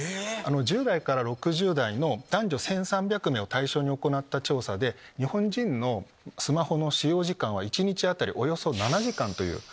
１０代から６０代の男女１３００名を対象に行った調査で日本人のスマホの使用時間は一日当たり。